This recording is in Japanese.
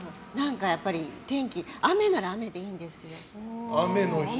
雨なら雨でいいんですよ。